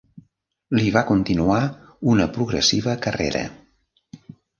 Li va continuar una progressiva carrera.